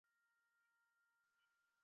বেশ, আমি বেশ খুশিই হয়েছি।